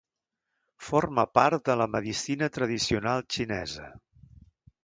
Forma part de la medicina tradicional xinesa.